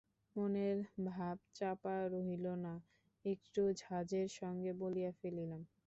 মনের ভাব চাপা রহিল না, একটু ঝাঁজের সঙ্গেই বলিয়া ফেলিলাম।